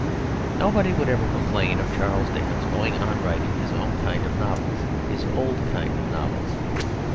Nobody would ever complain of Charles Dickens going on writing his own kind of novels, his old kind of novels.